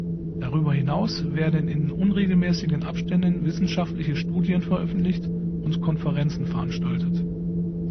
Darüber hinaus werden in unregelmäßigen Abständen wissenschaftliche Studien veröffentlicht und Konferenzen veranstaltet.